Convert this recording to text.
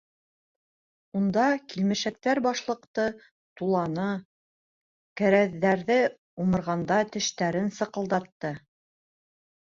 Унда килмешәктәр бышлыҡты, туланы, кәрәҙҙәрҙе умырғанда тештәрен сыҡылдатты.